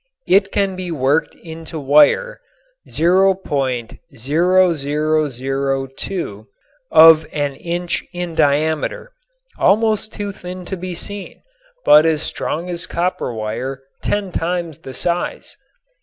It can be worked into wire .0002 of an inch in diameter, almost too thin to be seen, but as strong as copper wire ten times the size.